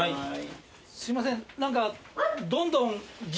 すいません何か。